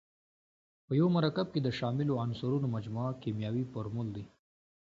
په یوه مرکب کې د شاملو عنصرونو مجموعه کیمیاوي فورمول دی.